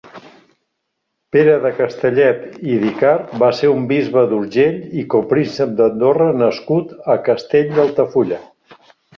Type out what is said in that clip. Pere de Castellet i d'Icart va ser un bisbe d'Urgell i copríncep d'Andorra nascut a Castell d'Altafulla.